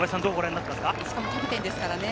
しかもキャプテンですからね。